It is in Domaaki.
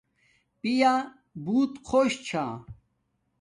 پیا بوت خوش چھا